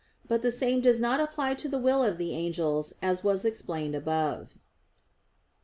But the same does not apply to the will of the angels, as was explained above.